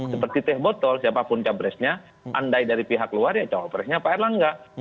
seperti teh botol siapapun capresnya andai dari pihak luar ya cawapresnya pak erlangga